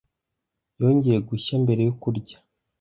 Yongeye gushya mbere yo kurya.